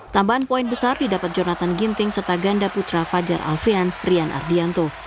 tambahan poin besar didapat jonathan ginting serta ganda putra fajar alfian rian ardianto